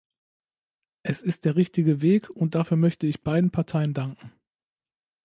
Es ist der richtige Weg, und dafür möchte ich beiden Parteien danken.